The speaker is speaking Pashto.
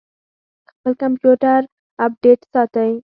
خپل کمپیوټر اپډیټ ساتئ؟